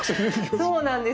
そうなんですよ。